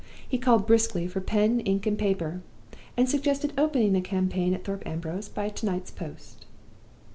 He called briskly for pen, ink and paper, and suggested opening the campaign at Thorpe Ambrose by to night's post.